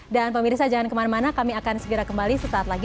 dan pemirsa jangan kemana mana kami akan segera kembali sesaat lagi